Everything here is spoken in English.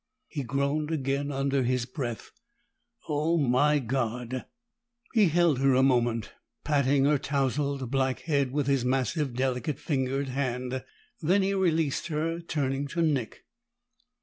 He groaned again under his breath. "Oh, my God!" He held her a moment, patting her tousled black head with his massive, delicate fingered hand. Then he released her, turning to Nick.